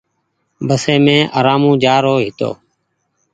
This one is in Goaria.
بسي مين ارآمون جآرو هيتو۔